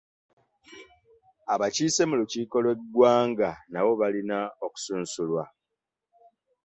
Abakiise mu lukiiko lw'eggwanga nabo balina okusunsulwa.